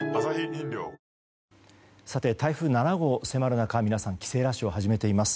台風７号迫る中皆さん帰省ラッシュ始めてます。